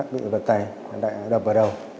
bị vật tẩy đập vào đầu